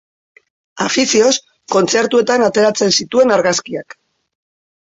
Afizioz, kontzertuetan ateratzen zituen argazkiak.